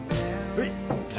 はい。